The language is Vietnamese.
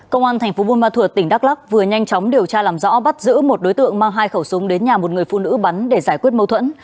công an tp bunma thuật tỉnh đắk lắk vừa nhanh chóng điều tra làm rõ bắt giữ một đối tượng mang hai khẩu súng đến nhà một người phụ nữ bắn để giải quyết mâu thuẫn